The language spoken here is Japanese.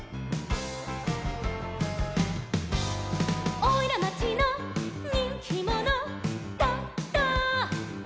「おいらまちのにんきもの」「ドド」